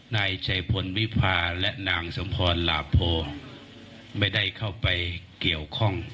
นายชัยพลวิพาและนางสมพรหลาโพไม่ได้เข้าไปเกี่ยวข้อง